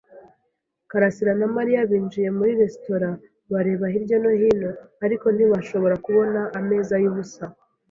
karasira na Mariya binjiye muri resitora bareba hirya no hino, ariko ntibashobora kubona ameza yubusa.